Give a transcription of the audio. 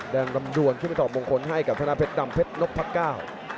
ดังรำดวงขึ้นไปต่อมงคลให้กับธนาคมเพชรดำเพชรนกพักเก้า